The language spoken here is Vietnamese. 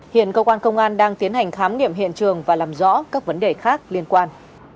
hiện công an đang tiến hành khám niệm hiện trường và làm rõ các vấn đề khác liên quan